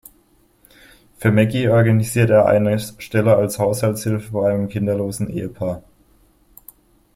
Für Meggie organisiert er eine Stelle als Haushaltshilfe bei einem kinderlosen Ehepaar.